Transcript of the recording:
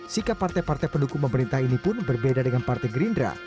sikap partai partai pendukung pemerintah ini pun berbeda dengan partai gerindra